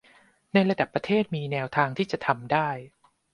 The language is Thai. ในระดับประเทศมีแนวทางมี่จะทำได้